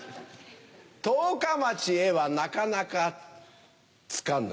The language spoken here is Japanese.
十日町へはなかなか着かぬ。